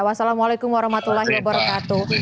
wassalamualaikum warahmatullahi wabarakatuh